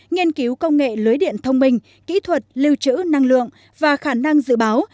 nghiên cứu công nghệ lưới điện thông minh kỹ thuật lưu trữ năng lượng và khả năng dự báo